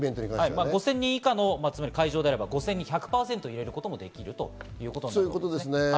５０００人以下の会場であれば１００％入れることもできるということですね。